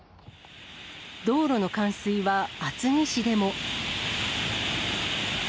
道路の冠水は厚木市でも。